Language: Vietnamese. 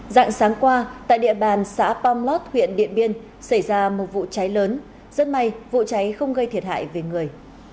dạng sáng qua tại địa bàn xã pomlot huyện điện biên xảy ra một vụ cháy lớn rất may vụ cháy không gây thiệt hại về người